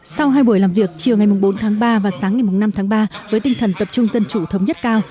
sau hai buổi làm việc chiều ngày bốn tháng ba và sáng ngày năm tháng ba với tinh thần tập trung dân chủ thống nhất cao